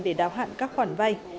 để đào hạn các khoản vay